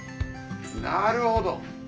なるほど！